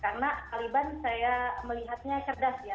karena taliban saya melihatnya cerdas ya